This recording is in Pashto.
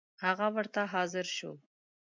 هغه ورته حاضر شو.